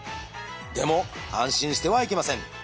でも安心してはいけません。